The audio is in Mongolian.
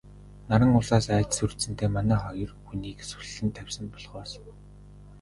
Наран улсаас айж сүрдсэндээ манай хоёр хүнийг суллан тавьсан болохоос...